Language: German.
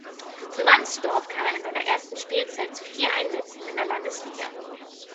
Für Mannsdorf kam er in seiner ersten Spielzeit zu vier Einsätzen in der Landesliga.